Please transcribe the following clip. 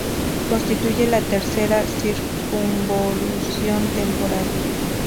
Constituye la tercera "circunvolución temporal".